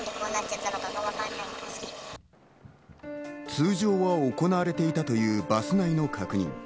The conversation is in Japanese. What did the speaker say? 通常は行われていたというバス内の確認。